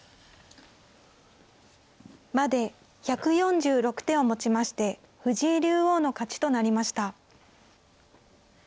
まで１４６手をもちまして藤井竜王の勝ちとなりました。